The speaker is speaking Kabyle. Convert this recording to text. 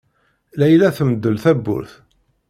Layla temdel tawwurt.